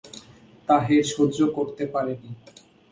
তাহের সহ্য করতে পারে নি।